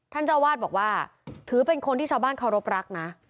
เจ้าวาดบอกว่าถือเป็นคนที่ชาวบ้านเคารพรักนะ